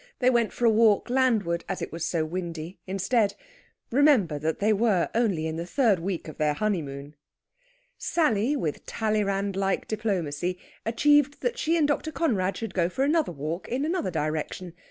They went for a walk landward; as it was so windy, instead remember that they were only in the third week of their honeymoon! Sally, with Talleyrand like diplomacy, achieved that she and Dr. Conrad should go for another walk in another direction.